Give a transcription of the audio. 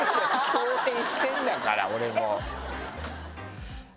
共演してるんだから俺も。